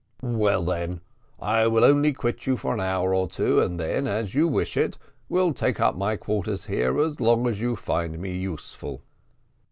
"Well then, I will only quit you for an hour or two, and then, as you wish it, will take up my quarters here as long as you find me useful."